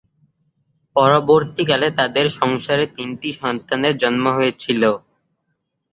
পরবর্তীকালে তাদের সংসারে তিনটি সন্তানের জন্ম হয়েছিল।